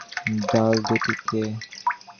ডাল দুটি কে?